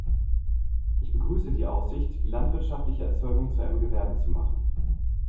Ich begrüße die Aussicht, die landwirtschaftliche Erzeugung zu einem Gewerbe zu machen.